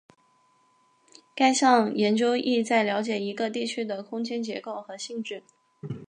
这项研究旨在了解一个地区的空间结构和性质。